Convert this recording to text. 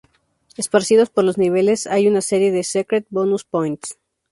Esparcidos por los niveles hay una serie de "Secret Bonus Points".